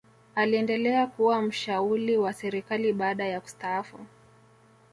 aliendelea kuwa mshauli wa serikali baada ya kustaafu